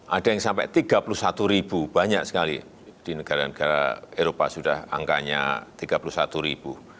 ada yang sampai tiga puluh satu ribu banyak sekali di negara negara eropa sudah angkanya tiga puluh satu ribu